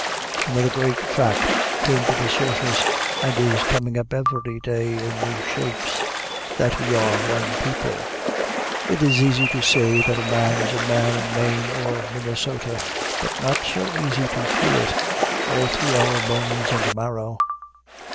Another great fact came to the surface, and is coming up every day in new shapes, that we are one people. It is easy to say that a man is a man in Maine or Minnesota, but not so easy to feel it, all through our bones and marrow.